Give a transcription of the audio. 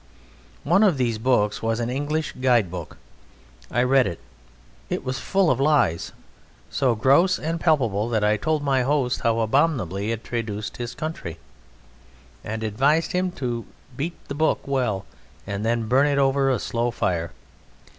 One of these books was an English guide book. I read it. It was full of lies, so gross and palpable that I told my host how abominably it traduced his country, and advised him first to beat the book well and then to burn it over a slow fire.